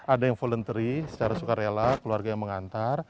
ada yang voluntary secara sukarela keluarga yang mengantar